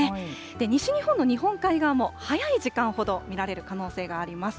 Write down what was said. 西日本の日本海側も、早い時間ほど見られる可能性があります。